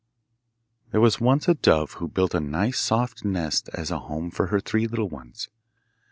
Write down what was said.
There was once a dove who built a nice soft nest as a home for her three little ones.